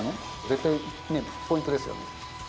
絶対ポイントですよね。